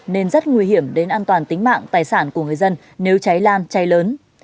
nên rất nguy hiểm đến an toàn tính mạng tài sản của người dân nếu cháy lan cháy lớn